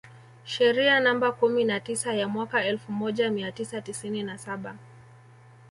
Sheria namba kumi na tisa ya mwaka elfu moja mia tisa tisini na saba